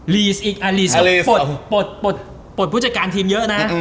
ลีสอีกปลดผู้จัดการทีมเยอะนะ